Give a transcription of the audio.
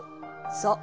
そう。